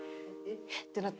えっ？ってなって。